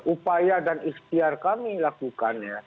upaya dan istiar kami lakukan ya